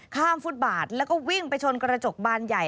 ฟุตบาทแล้วก็วิ่งไปชนกระจกบานใหญ่